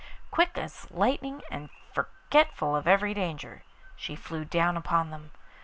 Quick as lightning, and forgetful of every danger, she flew down upon them.